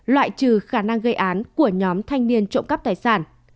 loại trừ khả năng gây án của nhóm thanh niên trộm cắp tài sản